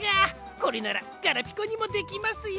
これならガラピコにもできますよ！